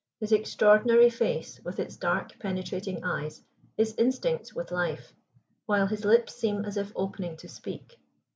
His extraordinary face, with its dark penetrating eyes, is instinct with life, while his lips seem as if opening to speak.